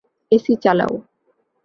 AC চালাও।